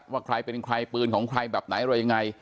ว่าใครเป็นใครปืนของใครแบบไหนอะไรยังไง